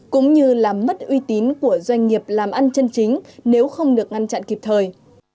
cũng như làm mất uy tín của doanh nghiệp làm ăn chân chính nếu không được ngăn chặn kịp thời